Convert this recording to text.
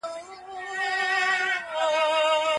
پښتو موږ ټول سره نښلوي.